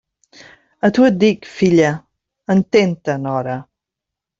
A tu et dic, filla; entén-te nora.